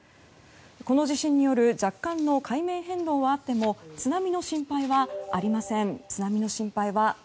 この地震による若干の海面変動はあっても津波の心配はありません。